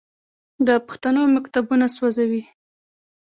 د پښتنو مکتبونه سوځوي.